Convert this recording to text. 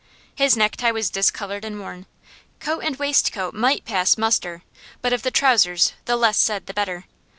His necktie was discoloured and worn. Coat and waistcoat might pass muster, but of the trousers the less said the better.